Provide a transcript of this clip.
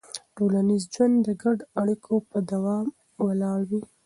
ټولنیز ژوند د ګډو اړیکو په دوام ولاړ وي.